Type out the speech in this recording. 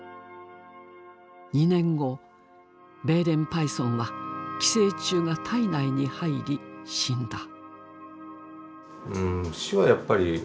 ２年後ベーレンパイソンは寄生虫が体内に入り死んだ。